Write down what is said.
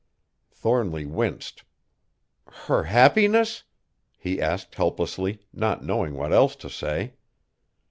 Thornly winced. "Her happiness?" he asked helplessly, not knowing what else to say.